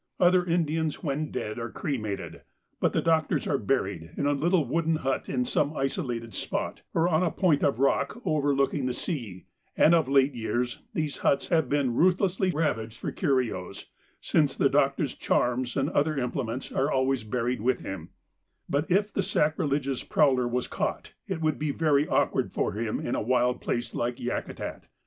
Other Indians when dead are cremated, but the doctors are buried in a little wooden hut in some isolated spot, or on a point of rock overlooking the sea; and of late years these huts have been ruthlessly ravaged for curios, since the doctor's charms and other implements are always buried with him; but if the sacrilegious prowler was caught it would be very awkward for him in a wild place like Yakutat.